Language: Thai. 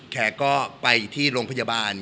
แกก็ไปที่โรงพยาบาล